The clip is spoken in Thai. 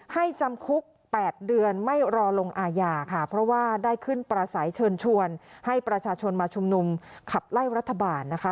จำคุก๘เดือนไม่รอลงอาญาค่ะเพราะว่าได้ขึ้นประสัยเชิญชวนให้ประชาชนมาชุมนุมขับไล่รัฐบาลนะคะ